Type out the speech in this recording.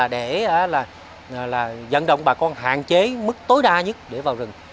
để dẫn động bà con hạn chế mức tối đa nhất để vào rừng